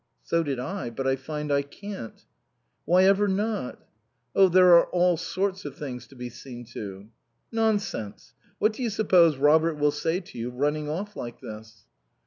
"So did I. But I find I can't." "Whyever not?" "Oh there are all sorts of things to be seen to." "Nonsense, what do you suppose Robert will say to you, running off like this?"